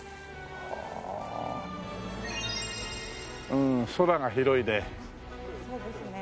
うん空が広いね。